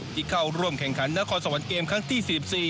ที่เข้าร่วมแข่งขันนครสวรรค์เกมครั้งที่๑๔